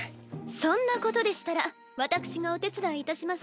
そんなことでしたら私がお手伝いいたしますわ。